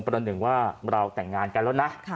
ประหนึ่งว่าเราแต่งงานกันแล้วนะ